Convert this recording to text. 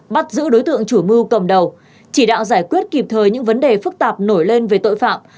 bắt giữ đối tượng chủ mưu cầm đầu chỉ đạo giải quyết kịp thời những vấn đề phức tạp nổi lên về tội phạm